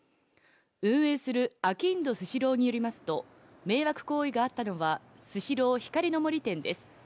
運営するあきんどスシローによりますと、迷惑行為があったのは、スシロー光の森店です。